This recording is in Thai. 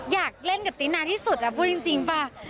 อยากเล่นกับตินานที่สุดพูดจริงป่ะ